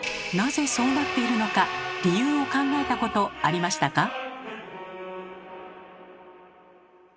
なぜそうなっているのか理由を考えたことありましたか？